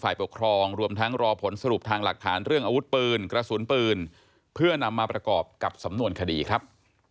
ปกครองรวมทั้งรอผลสรุปทางหลักฐานเรื่องอาวุธปืนกระสุนปืนเพื่อนำมาประกอบกับสำนวนคดีครับ